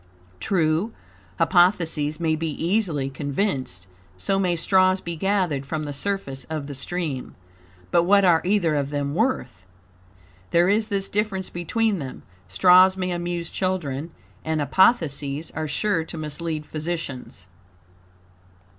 True, hypotheses may be easily conceived; so may straws be gathered from the surface of the stream. But what are either of them worth? There is this difference between them straws may amuse children, and hypotheses are sure to mislead physicians."